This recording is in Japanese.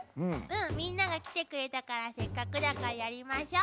うんみんなが来てくれたからせっかくだからやりましょ。